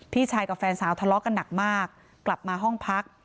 พี่ชายกับแฟนสาวทะเลาะกันหนักมากกลับมาห้องพัก